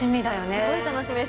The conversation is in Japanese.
すごい楽しみです。